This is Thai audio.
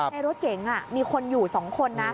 ในรถเก๋งมีคนอยู่๒คนนะ